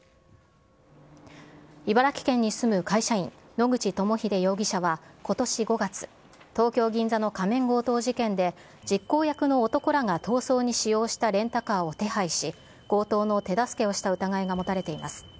茨城県に住む会社員、野口朋秀容疑者はことし５月、東京・銀座の仮面強盗事件で実行役の男らが逃走に使用したレンタカーを手配し、強盗の手助けをした疑いが持たれています。